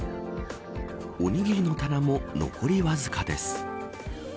おにぎりの棚も残りわずかです。